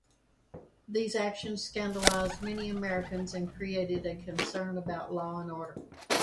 These actions scandalized many Americans and created a concern about law and order.